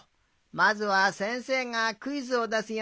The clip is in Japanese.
まずはせんせいがクイズをだすよ。